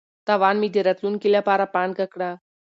تاوان مې د راتلونکي لپاره پانګه کړه.